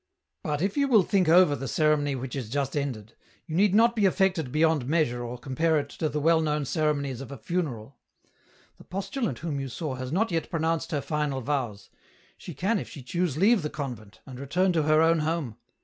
" But if you will think over the ceremony which is just ended, you need not be affected beyond measure or compare it to the well known ceremonies of a funeral ; the postulant whom you saw has not yet pronounced her final vows, she can if she choose leave the convent, and return to her own home.